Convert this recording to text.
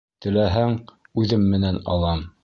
Теләһәң, үҙем менән алам.